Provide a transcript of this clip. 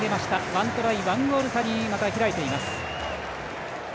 １トライ、１ゴール差にまた開いています。